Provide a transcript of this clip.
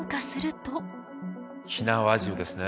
火縄銃ですね。